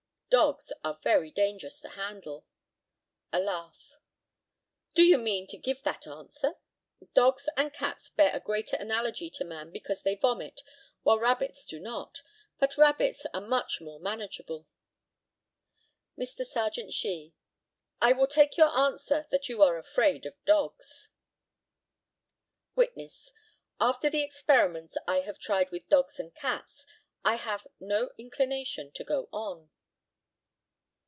Dogs are very dangerous to handle. (A laugh.) Do you mean to give that answer? Dogs and cats bear a greater analogy to man because they vomit, while rabbits do not, but rabbits are much more manageable. Mr. Serjeant SHEE: I will take your answer that you are afraid of dogs. Witness: After the experiments I have tried with dogs and cats, I have no inclination to go on.